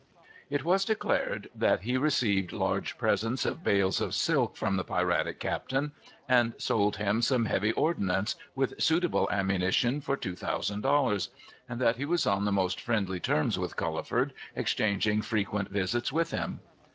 It was declared that he received large presents of bales of silk from the piratic captain, and sold him some heavy ordnance, with suitable ammunition, for two thousand dollars; and that he was on the most friendly terms with Culliford, exchanging frequent visits with him.